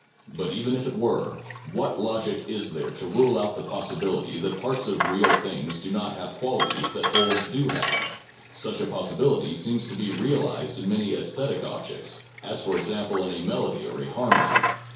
But even if it were, what logic is there to rule out the possibility that parts of real things do not have qualities that wholes do have? Such a possibility seems to be realized in many aesthetic objects, as for example in a melody or a harmony.